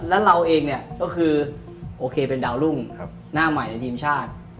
แล้วเราเองเนี่ยก็คือโอเคเป็นดาวรุ่งหน้าใหม่ในทีมชาติ